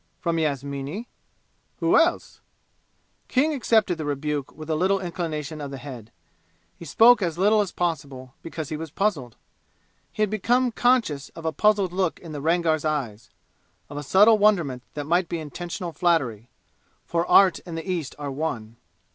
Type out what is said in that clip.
"From Yasmini?" "Who else?" King accepted the rebuke with a little inclination of the head. He spoke as little as possible, because he was puzzled. He had become conscious of a puzzled look in the Rangar's eyes of a subtle wonderment that might be intentional flattery (for Art and the East are one).